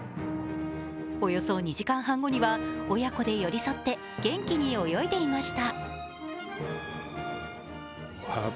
およそ２時間半後には親子で寄り添って元気に泳いでいました。